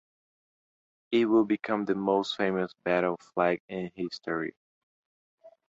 It would become the most famous battle flag in history.